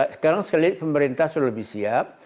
sekarang pemerintah sudah lebih siap